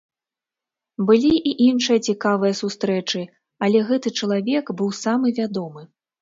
Былі і іншыя цікавыя сустрэчы, але гэты чалавек быў самы вядомы.